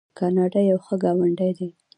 کاناډا یو ښه ګاونډی دی.